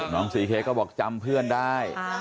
ซีเค้กก็บอกจำเพื่อนได้